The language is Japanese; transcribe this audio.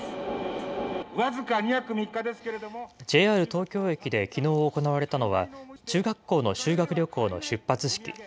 ＪＲ東京駅できのう行われたのは、中学校の修学旅行の出発式。